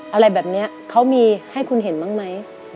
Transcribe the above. อะไรแบบนี้เขามีให้คุณเห็นบ้างไหม